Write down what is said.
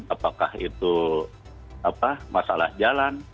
apakah itu masalah jalan